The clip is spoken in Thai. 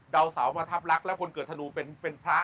ดาวเสามาทับรักแล้วคนเกิดธนูเป็นพระ